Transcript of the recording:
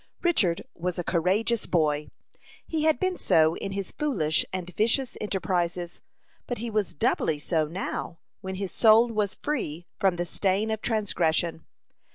Richard was a courageous boy; he had been so in his foolish and vicious enterprises; but he was doubly so now, when his soul was free from the stain of transgression.